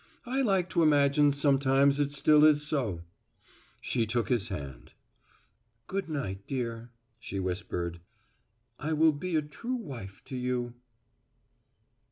I like to imagine sometimes it still is so." She took his hand. "Good night, dear," she whispered. "I will be a true wife to you."